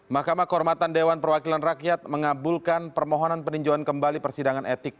mahkamah kehormatan dewan perwakilan rakyat mengabulkan permohonan peninjauan kembali persidangan etik